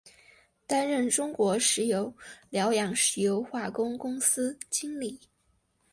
担任中国石油辽阳石油化工公司经理。